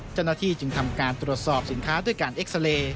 เจ้าหน้าที่จึงทำการตรวจสอบสินค้าด้วยการเอ็กซาเรย์